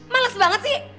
males banget sih